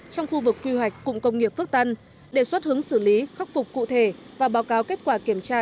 trong khu vực quy hoạch cụm công nghiệp phước tân đề xuất hướng xử lý khắc phục cụ thể và báo cáo kết quả kiểm tra